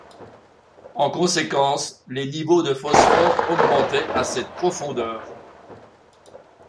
En conséquence, les niveaux de phosphore augmentaient à cette profondeur.